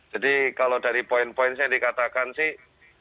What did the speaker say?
jadi kalau dari poin poin yang dikatakan sih